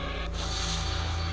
yang fungsi yang akur